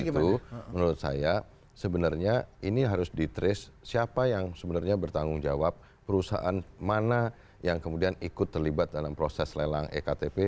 itu menurut saya sebenarnya ini harus di trace siapa yang sebenarnya bertanggung jawab perusahaan mana yang kemudian ikut terlibat dalam proses lelang ektp